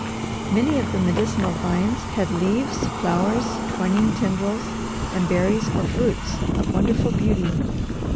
Many of the medicinal vines had leaves, flowers, twining tendrils, and berries or fruits of wonderful beauty.